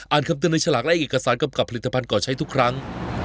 คำเตือนในฉลากและเอกสารกำกับผลิตภัณฑ์ก่อใช้ทุกครั้ง